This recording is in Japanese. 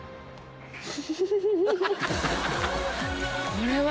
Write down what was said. これは。